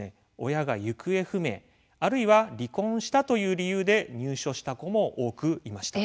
親が行方不明あるいは離婚したという理由で入所した子も多くいました。